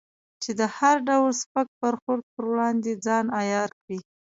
چې د هر ډول سپک برخورد پر وړاندې ځان عیار کړې.